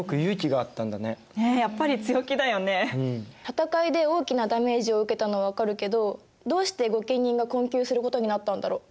戦いで大きなダメージを受けたのは分かるけどどうして御家人が困窮することになったんだろう。